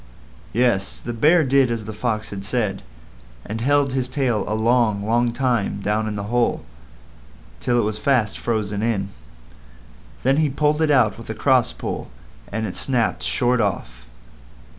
Yes; the Bear did as the Fox had said, and held his tail a long, long time down in the hole, till it was fast frozen in. Then he pulled it out with a cross pull, and it snapped short off.